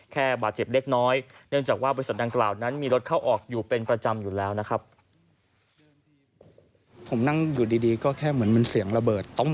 แค่บาดเจ็บเล็กน้อยเนื่องจากว่าบริษัทดังกล่าวนั้นมีรถเข้าออกอยู่เป็นประจำอยู่แล้วนะครับ